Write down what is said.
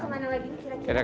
kita kemana lagi